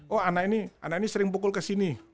oh anak ini sering pukul ke sini